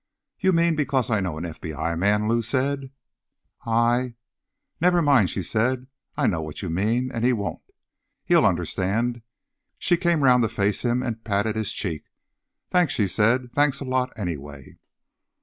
"You mean because I know an FBI man?" Lou said. "I—" "Never mind," she said. "I know what you mean. And he won't. He'll understand." She came round to face him, and patted his cheek. "Thanks," she said. "Thanks a lot, anyway."